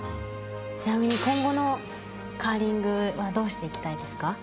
ちなみに今後のカーリングはどうしていきたいですか？